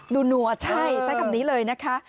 นัวใช่ใช้คำนี้เลยนะคะ